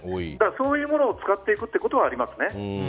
そういうものを使っていくのはありますね。